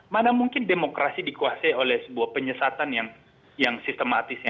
mana mungkin demokrasi dikuasai oleh sebuah penyesatan yang sistematis